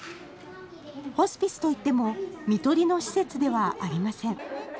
ホスピスといってもみとりの施設ではありません。